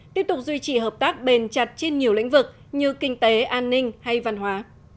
tiếp tục duy trì hợp tác bền chặt trên nhiều lĩnh vực như kinh tế an ninh hay văn hóa